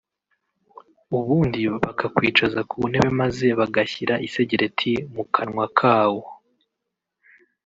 ubundi bakawicaza ku ntebe maze bagashyira isegereti mukanwa kawo